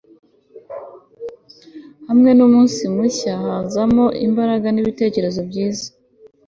hamwe n'umunsi mushya hazamo imbaraga n'ibitekerezo bishya